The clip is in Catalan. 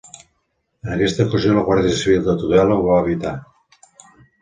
En aquesta ocasió la Guàrdia Civil de Tudela ho va evitar.